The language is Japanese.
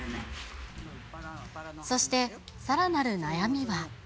そして、さらなる悩みは。